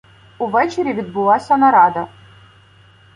Увечері відбулася нарада.